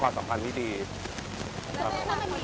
คือเราคุยกันเหมือนเดิมตลอดเวลาอยู่แล้วไม่ได้มีอะไรสูงแรง